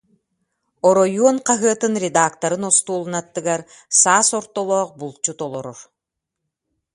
Оройуон хаһыатын редакторын остуолун аттыгар саас ортолоох булчут олорор